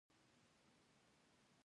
یعنې د انسانانو یوه اړتیا پوره کړي.